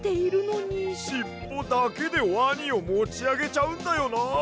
しっぽだけでワニをもちあげちゃうんだよな！